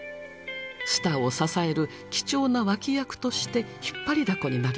スターを支える貴重な脇役として引っ張りだこになります。